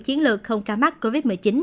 chiến lược không ca mắc covid một mươi chín